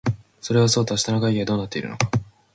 それそそうと明日の会議はどうなっているのか